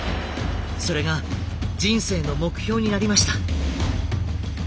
それが人生の目標になりました。